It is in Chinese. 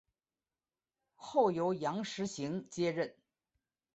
后由杨时行接任。